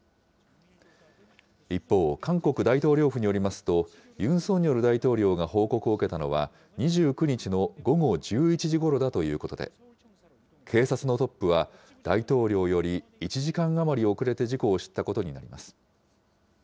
一方、韓国大統領府によりますと、ユン・ソンニョル大統領が報告を受けたのは、２９日の午後１１時ごろだということで、警察のトップは、大統領より１時間余り遅れて事故を知ったことになります。